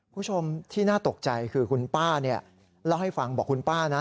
คุณผู้ชมที่น่าตกใจคือคุณป้าเนี่ยเล่าให้ฟังบอกคุณป้านะ